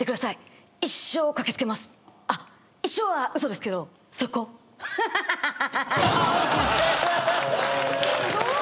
すごーい。